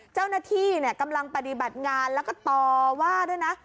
เจ้าหน้าที่กำลังปฏิบัติงานแล้วก็ต่อว่าด้วยนะ